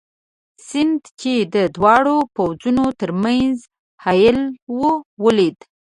سیند، چې د دواړو پوځونو تر منځ حایل وو، ولید.